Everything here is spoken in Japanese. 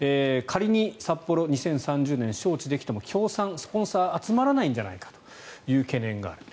仮に札幌２０３０年招致できても協賛、スポンサー集まらないんじゃないかという懸念がある。